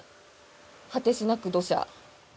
果てしなく土砂。